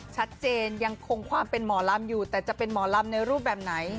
ยังคงความเป็นหมอลำอยู่แต่จะเป็นหมอลำในรูปแบบไหน